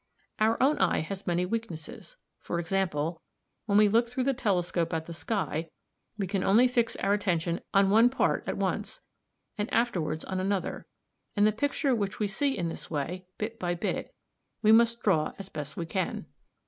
"Our own eye has many weaknesses. For example, when we look through the telescope at the sky we can only fix our attention on one part at once, and afterwards on another; and the picture which we see in this way, bit by bit, we must draw as best we can.